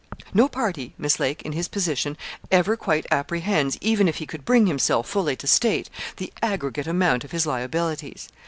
No party, Miss Lake, in his position, ever quite apprehends, even if he could bring himself fully to state, the aggregate amount of his liabilities.